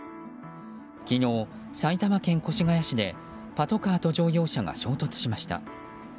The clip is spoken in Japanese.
昨日、埼玉県越谷市でパトカーと乗用車が衝突しました。